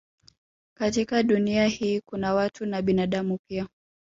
Katika Dunia hii kuna watu na binadamu pia